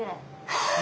はあ！